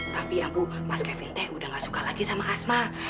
tapi ambu mas kevin t udah nggak suka lagi sama asma